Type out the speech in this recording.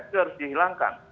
itu harus dihilangkan